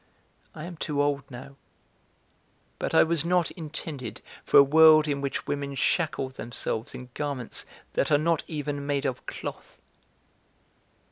I am too old now but I was not intended for a world in which women shackle themselves in garments that are not even made of cloth.